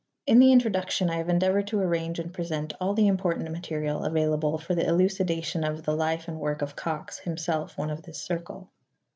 In the Introduction I have endeavored to arrange and present all the important material available for the elucidation of the life and work of Cox, himself one of this circle.